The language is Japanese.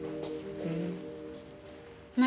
何？